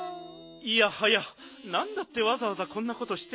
いやはやなんだってわざわざこんなことしてるんだ？